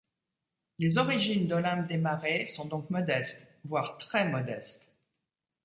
Les origines d'Olympe Démarez sont donc modestes, voire très modestes.